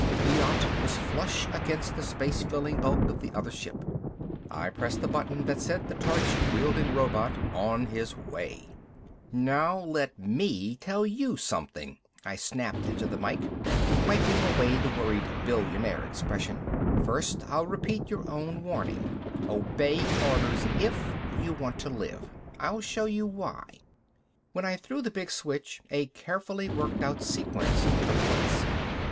The yacht was flush against the space filling bulk of the other ship. I pressed the button that sent the torch wielding robot on his way. "Now let me tell you something," I snapped into the mike, wiping away the worried billionaire expression. "First I'll repeat your own warning obey orders if you want to live. I'll show you why " When I threw the big switch a carefully worked out sequence took place.